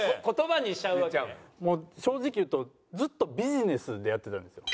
もう正直言うとずっとビジネスでやってたんですよ。